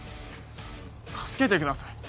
助けてください！